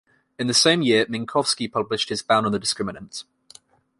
In the same year, Minkowski published his bound on the discriminant.